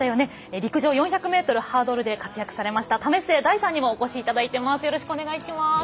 陸上４００ｍハードルで活躍されました為末大さんにもおこしいただいております。